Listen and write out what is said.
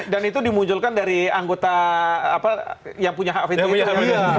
dan itu dimunculkan dari anggota yang punya hak fitur itu